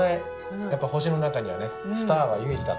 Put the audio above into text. やっぱ星の中にはねスターはユージだと。